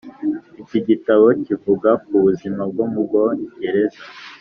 iki gitabo kivuga ku buzima bwo mu bwongereza.